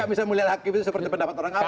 bisa mulia hakim itu seperti pendapat orang lain